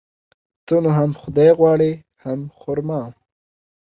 ته نو هم خداى غواړي ،هم خر ما.